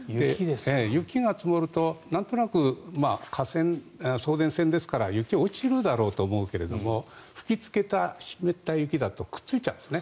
雪が積もるとなんとなく送電線ですから雪が落ちるだろうと思うけれども吹きつけた湿った雪だとくっついちゃうんですよね。